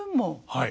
はい。